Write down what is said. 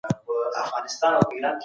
عوامو مجلس له نورو سره څه توپیر لري؟